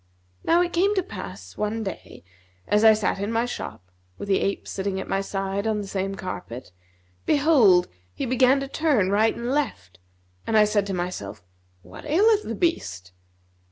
Now it came to pass one day, as I sat in my shop, with the ape sitting at my side on the same carpet, behold, he began to turn right and left, and I said to myself, 'What aileth the beast?'